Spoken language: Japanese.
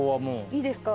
いいですか？